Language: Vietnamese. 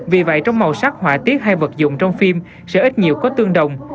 vì vậy trong màu sắc họa tiết hay vật dụng trong phim sẽ ít nhiều có tương đồng